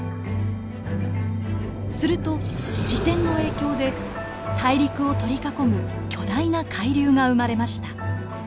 すると自転の影響で大陸を取り囲む巨大な海流が生まれました。